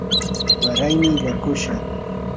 waraymi illaakushaq.